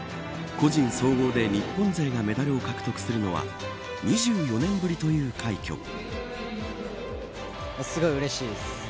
個人総合で日本勢がメダルを獲得するのは２４年ぶりという快挙。